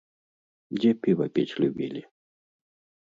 Дзе піва піць любілі?